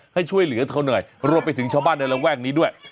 ให้ช่วยเหลือเธอหน่อยรวมไปถึงชาวบ้านในระแวกนี้ด้วย